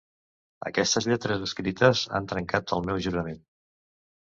Aquestes lletres escrites han trencat el meu jurament.